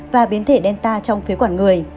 và biến thể delta trong phế quản người